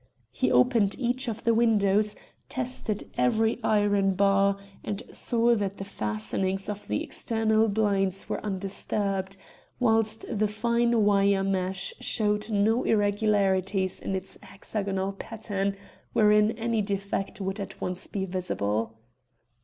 He opened each of the windows, tested every iron bar, and saw that the fastenings of the external blind were undisturbed, whilst the fine wire mesh showed no irregularities in its hexagonal pattern wherein any defect would at once be visible.